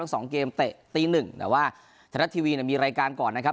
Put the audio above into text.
สองเกมเตะตีหนึ่งแต่ว่าไทยรัฐทีวีเนี่ยมีรายการก่อนนะครับ